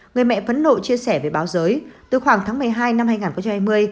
người mẹ phấn nội chia sẻ về báo giới từ khoảng tháng một mươi hai năm hai nghìn hai mươi